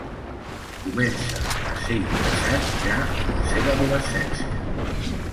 Començà a ser ingressat ja en la seva adolescència.